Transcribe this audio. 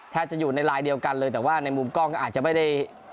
จะอยู่ในลายเดียวกันเลยแต่ว่าในมุมกล้องก็อาจจะไม่ได้